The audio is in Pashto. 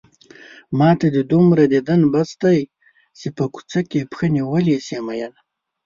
ماته دې دومره ديدن بس دی چې په کوڅه کې پښه نيولی شې مينه